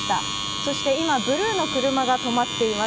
そして今、ブルーの車が止まっています。